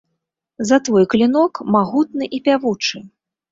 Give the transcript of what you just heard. За твой клінок, магутны і пявучы!